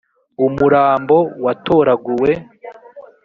umurambo watoraguwe.